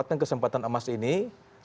ketika itu kita juga mengundang dewan komisaris